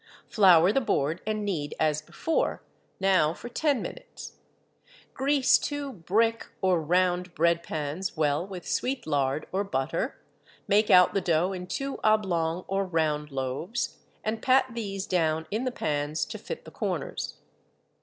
Flour the board and knead as before, now for ten minutes. Grease two "brick" or round bread pans well with sweet lard or butter, make out the dough in two oblong or round loaves, and pat these down in the pans to fit the corners.